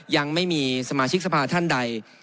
ยังไม่มีสมาชิกสภาท่านใด